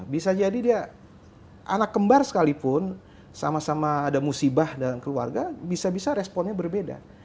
bisa jadi dia anak kembar sekalipun sama sama ada musibah dalam keluarga bisa bisa responnya berbeda